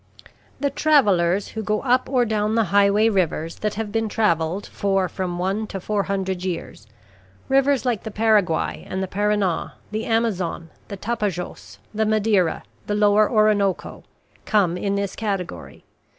The travellers who go up or down the highway rivers that have been travelled for from one to four hundred years rivers like the Paraguay and Parana, the Amazon, the Tapajos, the Madeira, the lower Orinoco come in this category.